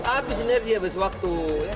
habis energi habis waktu